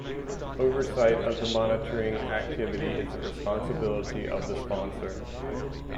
Oversight of the monitoring activity is the responsibility of the sponsor.